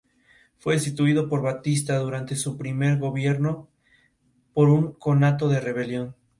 Este edificio histórico todavía existe, aunque se encuentra abandonado.